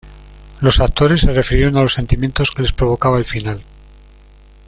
Los actores se refirieron a los sentimientos que les provocaba el final.